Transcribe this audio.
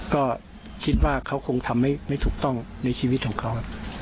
ก็คิดว่าเขาคงทำไม่ถูกต้องในชีวิตของเขา